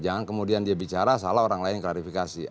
jangan kemudian dia bicara salah orang lain yang klarifikasi